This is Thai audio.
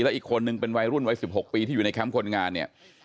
อีกคนนึงเป็นวัยรุ่นวัย๑๖ปีที่อยู่ในแคมป์คนงานเนี่ย